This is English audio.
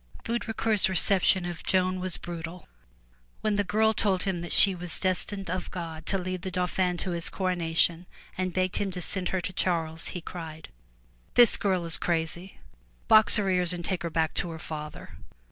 Baudricourt's reception of Joan was brutal. When the girl told him that she was destined of God to lead the Dauphin to his coronation, and begged him to send her to Charles, he cried: "The girl is crazy! Box her ears and take her back to her father.''